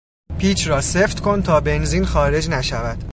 پیچ را سفت کن تا بنزین خارج نشود.